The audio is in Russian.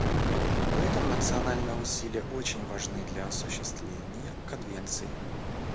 Поэтому национальные усилия очень важны для осуществления Конвенции.